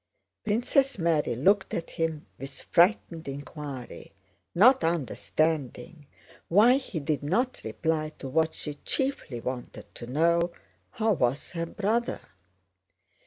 Princess Mary looked at him with frightened inquiry, not understanding why he did not reply to what she chiefly wanted to know: how was her brother?